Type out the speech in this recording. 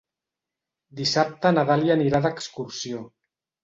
Dissabte na Dàlia anirà d'excursió.